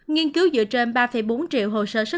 nhiên cứu dựa trên ba bốn triệu hồ sơ sức khỏe